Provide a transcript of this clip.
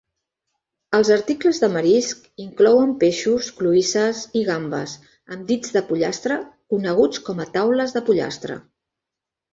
Els articles de marisc inclouen peixos, cloïsses i gambes, amb dits de pollastre coneguts com a "Taules de pollastre".